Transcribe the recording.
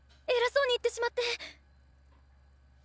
偉そうに言ってしまって！